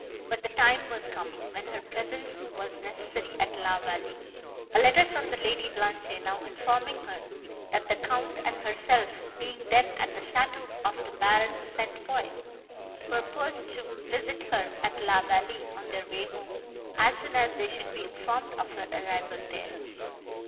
But the time was come, when her presence was necessary at La Vallée, a letter from the Lady Blanche now informing her, that the Count and herself, being then at the château of the Baron St. Foix, purposed to visit her at La Vallée, on their way home, as soon as they should be informed of her arrival there.